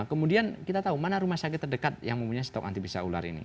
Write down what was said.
kemudian kita tahu mana rumah sakit terdekat yang mempunyai stok anti bisa ular ini